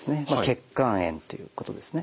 血管炎っていうことですね。